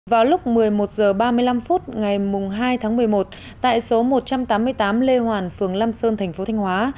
vào lúc một mươi một h ba mươi năm phút ngày hai tháng một mươi một tại số một trăm tám mươi tám lê hoàn phường lam sơn thành phố thanh hóa